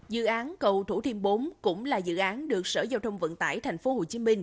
dự án cầu thủ thiêm bốn cũng là dự án được sở giao thông vận tải tp hcm